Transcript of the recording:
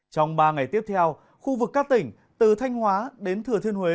trong ba ngày tiếp theo khu vực các tỉnh từ thanh hóa đến thừa thiên huế